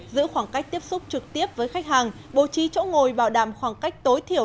giữ khoảng cách tiếp xúc trực tiếp với khách hàng bố trí chỗ ngồi bảo đảm khoảng cách tối thiểu